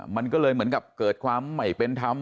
มันก็เลยเหมือนกับเกิดความไม่เป็นธรรม